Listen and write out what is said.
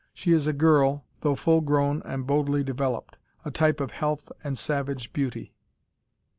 She is a girl, though full grown and boldly developed: a type of health and savage beauty.